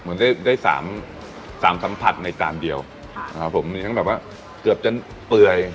เหมือนได้ได้สามสามสัมผัสในจานเดียวนะครับผมมีทั้งแบบว่าเกือบจะเปื่อย